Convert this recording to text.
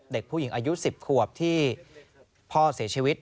เด็กผู้หญิงอายุ๑๐ขวบที่พ่อเสียชีวิต